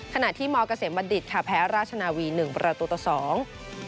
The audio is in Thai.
ที่มเกษมบัณฑิตค่ะแพ้ราชนาวีหนึ่งประตูต่อสอง